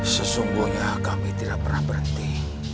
sesungguhnya kami tidak pernah berhenti